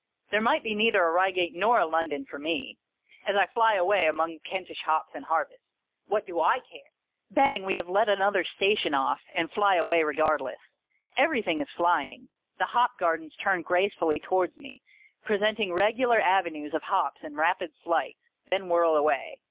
There might be neither a Eeigate nor a London for me, as I flyaway among the Kentish hops and harvest. What do / care ! Bang! We have let another Station off, and fly away regardless. Everything is flying. The hop gardens turn gracefully towards me, presenting regular avenues of hops in rapid flight, then whirl away.